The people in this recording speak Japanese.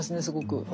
すごく。